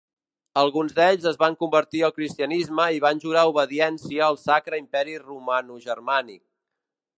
Alguns d'ells es van convertir al cristianisme i van jurar obediència al Sacre Imperi Romanogermànic.